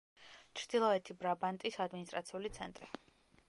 ჩრდილოეთი ბრაბანტის ადმინისტრაციული ცენტრი.